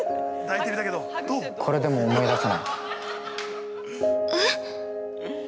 これでも思い出せない？